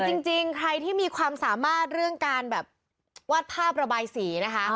จริงใครที่มีความสามารถเรื่องการแบบวาดภาพระบายสีนะคะ